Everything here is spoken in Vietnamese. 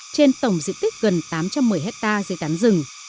trên tổng diện tích gần tám trăm một mươi hectare dưới tán rừng